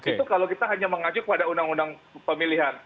itu kalau kita hanya mengacu pada undang undang pemilihan